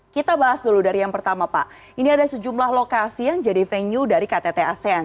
kita bahas dulu dari yang pertama pak ini ada sejumlah lokasi yang jadi venue dari ktt asean